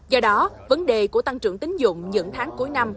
do đó vấn đề của tăng trưởng tính dụng những tháng cuối năm